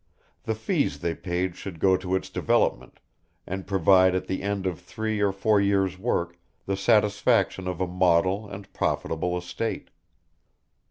The fees they paid should go to its development, and provide at the end of three or four years' work the satisfaction of a model and profitable estate.